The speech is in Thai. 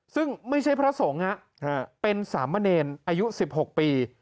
ซึ่งไม่ใช่พระสงฆ์เป็นสามเณรอายุ๑๖ปี